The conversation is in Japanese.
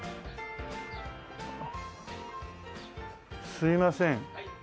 すいません。